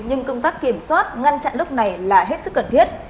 nhưng công tác kiểm soát ngăn chặn lúc này là hết sức cần thiết